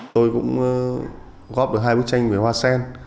tôi cũng góp được hai bức tranh về hoa sen